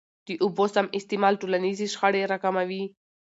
د اوبو سم استعمال ټولنیزي شخړي را کموي.